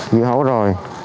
vị hấu rồi